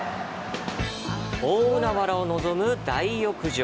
大海原を望む大浴場。